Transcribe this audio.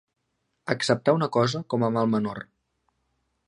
Acceptar una cosa com a mal menor.